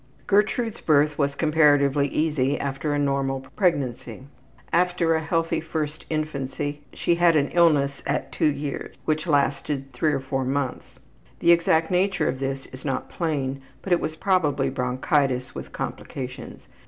Gertrude's birth was comparatively easy after a normal pregnancy. After a healthy first infancy she had an illness at 2 years which lasted for three or four months. The exact nature of this is not plain, but it was probably bronchitis with complications.